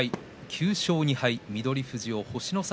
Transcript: ９勝２敗翠富士を星の差